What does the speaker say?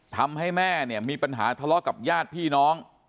ทำให้แม่เนี่ยมีปัญหาทะเลาะกับญาติพี่น้อง